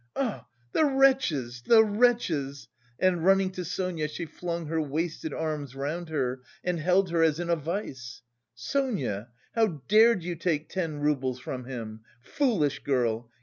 Ah, the wretches, the wretches!" And running to Sonia she flung her wasted arms round her and held her as in a vise. "Sonia! how dared you take ten roubles from him? Foolish girl!